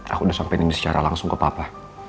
aku udah sampe nanti secara langsung ke papa